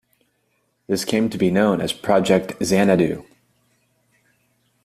This came to be known as Project Xanadu.